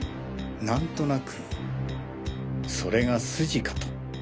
何となくそれが筋かと。